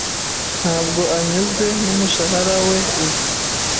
Ntabwo anyuzwe nu mushahara we ubu.